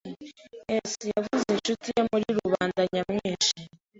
[S] Yabuze inshuti ye muri rubanda nyamwinshi.